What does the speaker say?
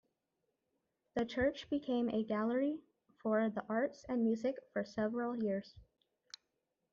The church became a gallery for the arts and music for several years.